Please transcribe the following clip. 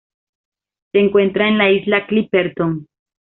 Se encuentra en la isla Clipperton.